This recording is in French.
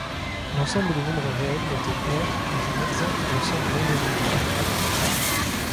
L'ensemble des nombres réels, noté ℝ, est un exemple d'ensemble non-dénombrable.